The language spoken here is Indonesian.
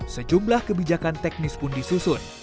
sejumlah kebijakan teknis pun disusun